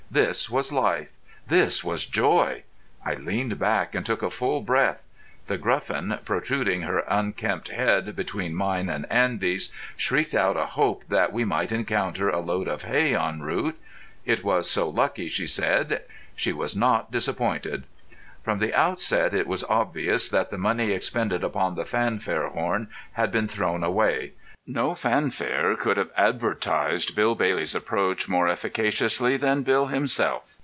This was life! This was joy! I leaned back and took a full breath. The Gruffin, protruding her unkempt head between mine and Andy's, shrieked out a hope that we might encounter a load of hay en route. It was so lucky, she said. She was not disappointed. From the outset it was obvious that the money expended upon the fanfare horn had been thrown away. No fanfare could have advertised Bill Bailey's approach more efficaciously than Bill himself.